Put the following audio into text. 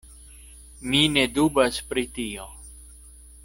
Mi ne dubas pri tio.